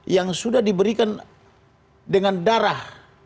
yang sudah diberikan dengan darah